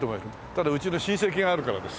ただうちの親戚があるからです。